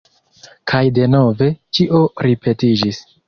Kaj denove ĉio ripetiĝis.